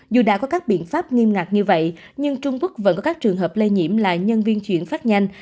dù đã có các biện pháp nghiêm ngặt như vậy nhưng trung quốc vẫn có các trường hợp lây nhiễm là nhân viên chuyển phát nhanh